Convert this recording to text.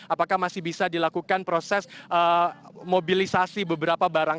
apakah masih bisa dilakukan proses mobilisasi beberapa barang